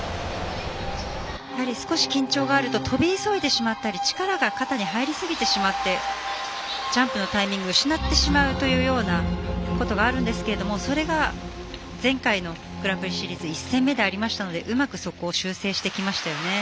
やはり少し緊張があると跳び急いでしまったり力が肩に入りすぎてしまってジャンプのタイミング失ってしまうというようなことがあるんですけれどもそれが前回のグランプリシリーズ１戦目でありましたので、うまくそこを修正してきましたよね。